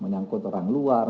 menyangkut orang luar